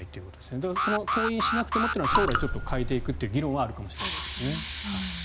だから登院しなくてもというのは将来、変えていくという議論はあるかもしれませんが。